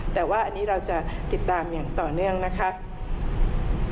แต่ว่าอันนี้เราจะติดตามอย่างต่อเนื่องนะคะ